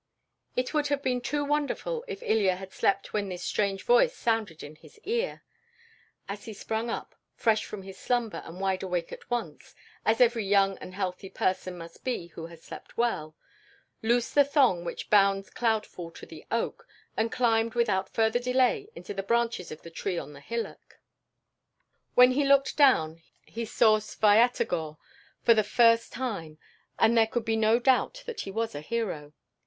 It would have been too wonderful if Ilya had slept when this strange voice sounded in his ear. Up he sprang, fresh from his slumber and wide awake at once, as every young and healthy person must be who has slept well, loosed the thong which bound Cloudfall to the oak, and climbed without further delay into the branches of the tree on the hillock. When he looked down, he saw Svyatogor for the first time, and there could be no doubt that he was a hero.